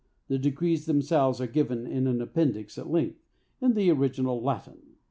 The decrees themselves are given in an appendix at length, in the original Latin.